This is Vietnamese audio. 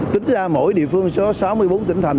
tính ra mỗi địa phương có sáu mươi bốn tỉnh thành